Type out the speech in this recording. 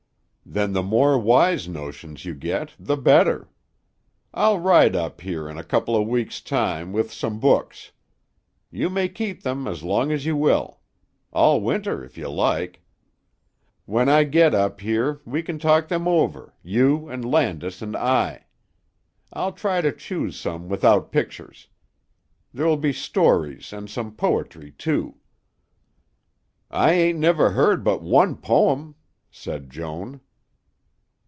"Then the more wise notions you get the better. I'll ride up here in a couple of weeks' time with some books. You may keep them as long as you will. All winter, if you like. When I can get up here, we can talk them over, you and Landis and I. I'll try to choose some without pictures. There will be stories and some poetry, too." "I ain't never read but one pome," said Joan.